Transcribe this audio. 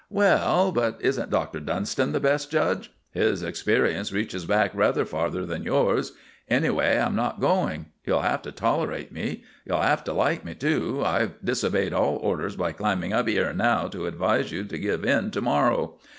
"Well, but isn't Doctor Dunston the best judge? His experience reaches back rather farther than yours. Anyway, I'm not going. You'll 'ave to tolerate me. You'll 'ave to like me too. I've disobeyed all orders by climbing up 'ere now to advise you to give in to morrow.